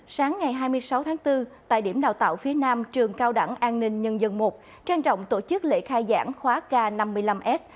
sáng ngày hai mươi sáu tháng bốn tại điểm đào tạo phía nam trường cao đẳng an ninh nhân dân một trang trọng tổ chức lễ khai giảng khóa k năm mươi năm s